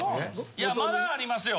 いやまだありますよ。